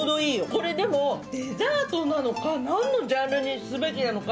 これでも、デザートなのか、何のジャンルにすべきなのか。